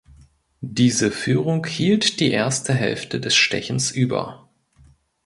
Diese Führung hielt die erste Hälfte des Stechens über.